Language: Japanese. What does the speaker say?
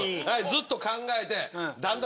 ずっと考えて。